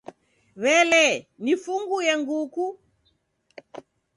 W'ele, nifunguye nguku?